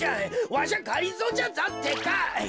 わしゃがりぞーじゃぞってか。